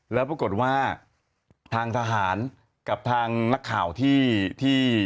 แล้วปรากฏว่าทางทหารกับทางนักข่าวที่